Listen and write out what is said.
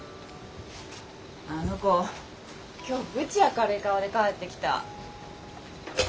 あの子今日ぶち明るい顔で帰ってきた。